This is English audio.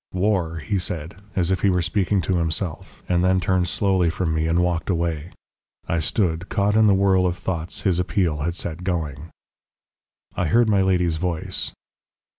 "'War,' he said, as if he were speaking to himself, and then turned slowly from me and walked away. I stood, caught in the whirl of thoughts his appeal had set going. "I heard my lady's voice.